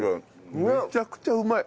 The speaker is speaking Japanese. めちゃくちゃうまい！